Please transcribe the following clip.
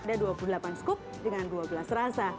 ada dua puluh delapan scoop dengan dua belas rasa